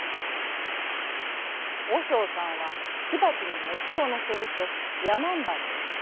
おしょうさんはひばちにもちをのせるとやまんばにいった。